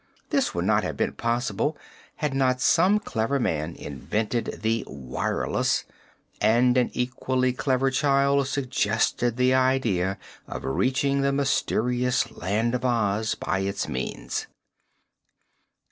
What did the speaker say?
This would not have been possible had not some clever man invented the "wireless" and an equally clever child suggested the idea of reaching the mysterious Land of Oz by its means.